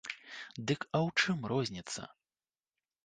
Дык а ў чым розніца?